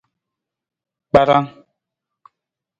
Kparan.